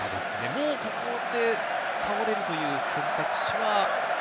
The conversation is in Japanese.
もうモールで倒れるという選択肢は？